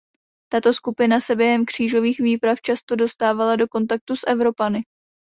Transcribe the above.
Tato skupina se během křížových výprav často dostávala do kontaktu s Evropany.